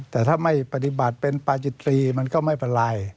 แต่ถ้าไม่ปฏิบัติเป็นปาจิตรีมันก็ไม่เป็นไร